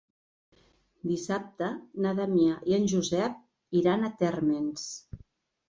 Dissabte na Damià i en Josep iran a Térmens.